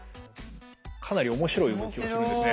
かなり面白い動きをするんですね。